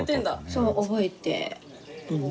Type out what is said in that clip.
そう覚えてる。